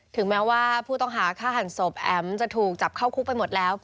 ถึงแม้ว่าผู้ต้องหาฆ่าหันศพแอ๋มจะถูกจับเข้าคุกไปหมดแล้ว